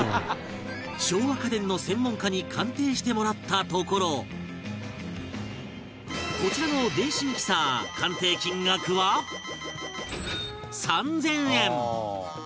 昭和家電の専門家に鑑定してもらったところこちらの電子ミキサー鑑定金額は３０００円